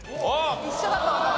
一緒だと思う。